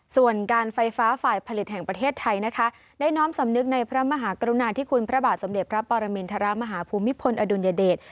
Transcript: ส่วนการไฟฟ้าฝ่ายผลิตแห่งประเทศไทยนะคะได้น้อมสำนึกในพระมหากรุณาที่คุณพระบาทสมเด็จพระปรมินทรมาฮภูมิพลอดุลยเดช